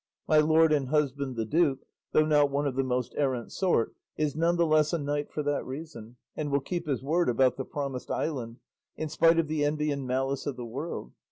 My lord and husband the duke, though not one of the errant sort, is none the less a knight for that reason, and will keep his word about the promised island, in spite of the envy and malice of the world.